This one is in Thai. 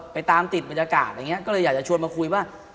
ไปตามติดบรรยากาศอะไรอย่างนี้ก็เลยอยากจะชวนมาคุยว่า